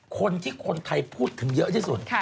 คนที่คนไทยพูดถึงเยอะที่สุด